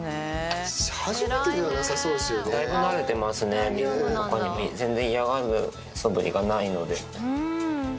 だいぶ慣れてますね、水とかに、全然嫌がるそぶりがないので。